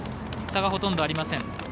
差はほとんどありません。